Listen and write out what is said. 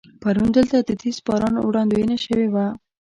پرون دلته د تیز باران وړاندوينه شوې وه.